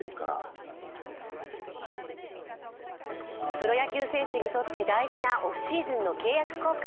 プロ野球選手にとって大事なオフシーズンの契約更改。